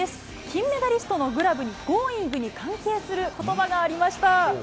金メダリストのグラブにＧｏｉｎｇ！に関係することばがありました。